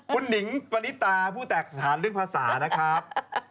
คุณหนิงปณิตาผู้แตกสถานเรื่องภาษานะครับ